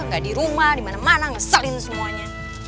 ga dirumah dimana mana ngeselin semuanya